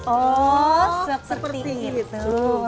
oh seperti itu